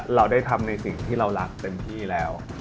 เราได้ทำในสิ่งที่เรารักเต็มที่แล้ว